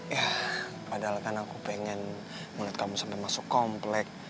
ya padahal kan aku pengen mulut kamu sampai masuk komplek